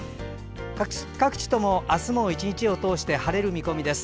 各地とも明日も１日を通して晴れる見込みです。